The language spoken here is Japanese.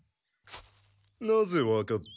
なぜわかった？